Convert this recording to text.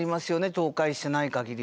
倒壊していない限りは。